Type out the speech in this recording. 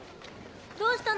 どうしたの？